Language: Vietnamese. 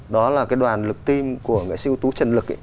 đó là cái đoàn lực tim của nghệ sĩ ưu tú trần lực